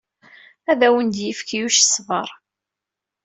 Ad awen-d-yefk Yuc ṣṣber.